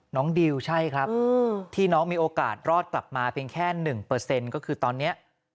ดิวใช่ครับที่น้องมีโอกาสรอดกลับมาเพียงแค่๑ก็คือตอนนี้